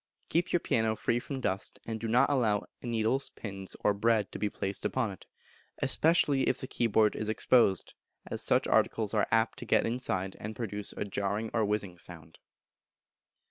Keep your piano free from dust, and do not allow needles, pins, or bread to be placed upon it, especially if the key board is exposed, as such articles are apt to get inside and produce a jarring or whizzing sound.